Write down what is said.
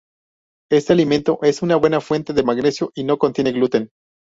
Este alimento es una buena fuente de magnesio y no contiene gluten.